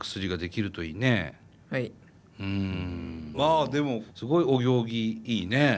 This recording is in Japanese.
まあでもすごいお行儀いいね。